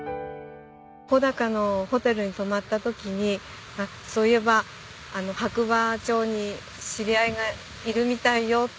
穂高のホテルに泊まった時にそういえば白馬町に知り合いがいるみたいよ。